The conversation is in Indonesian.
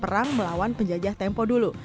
mereka melakukan perang melawan penjajah tempo dulu